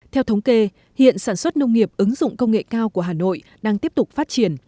theo thống kê hiện sản xuất nông nghiệp ứng dụng công nghệ cao của hà nội đang tiếp tục phát triển